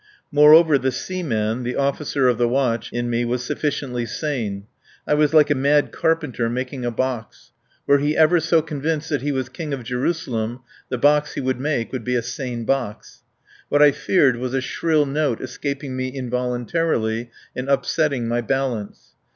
Moreover, the seaman, the officer of the watch, in me was sufficiently sane. I was like a mad carpenter making a box. Were he ever so convinced that he was King of Jerusalem, the box he would make would be a sane box. What I feared was a shrill note escaping me involuntarily and upsetting my balance.